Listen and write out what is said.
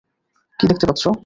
কী দেখতে পাচ্ছ?